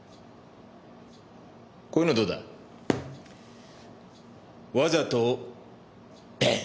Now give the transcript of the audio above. こういうのはどうだ？わざとバーン！